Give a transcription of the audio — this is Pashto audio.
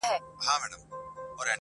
انډیوالۍ کي چا حساب کړی دی .